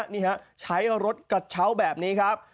นี่ฮะใช้รถกระเช้าแบบนี้ครับ